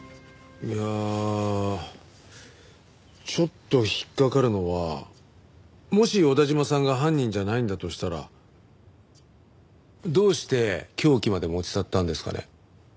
いやあちょっと引っかかるのはもし小田嶋さんが犯人じゃないんだとしたらどうして凶器まで持ち去ったんですかね？